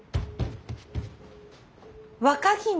若君！